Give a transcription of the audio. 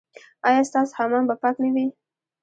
ایا ستاسو حمام به پاک نه وي؟